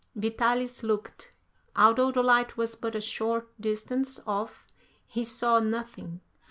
Vitalis looked; although the light was but a short distance off, he saw nothing.